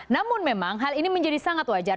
namun memang hal ini menjadi sangat wajar